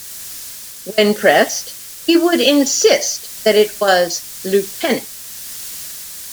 When pressed, he would insist that it was "Lieutenant".